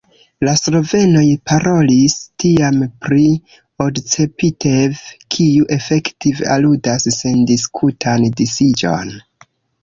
La slovenoj parolis tiam pri odcepitev, kiu efektive aludas sendiskutan disiĝon.